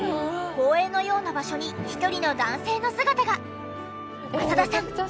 公園のような場所に１人の男性の姿が。